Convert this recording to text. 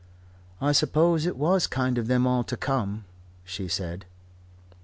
"I suppose it was kind of them all to come," she said.